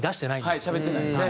しゃべってないですね。